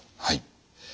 はい。